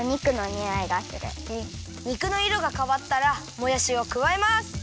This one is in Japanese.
肉のいろがかわったらもやしをくわえます。